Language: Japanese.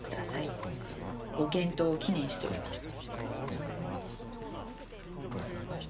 ご健闘を祈念しております」と。